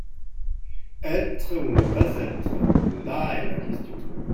Être ou ne pas être, là est la question.